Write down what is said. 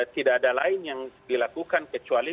tidak ada lain yang dilakukan kecuali